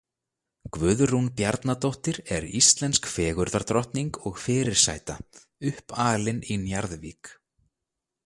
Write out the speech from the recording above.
Guðrún Bjarnadóttir er íslensk fegurðardrottning og fyrirsæta, uppalin í Njarðvík.